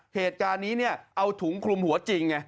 เหตุการณ์นี้เอาถุงคลุมหัวจริง